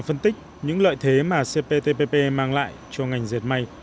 phân tích những lợi thế mà cptpp mang lại cho ngành dệt may